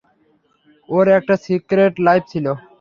ওর একটা secret life ছিল।